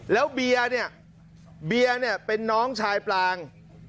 แล้วเบียร์เนี่ยเป็นน้องชายปลาง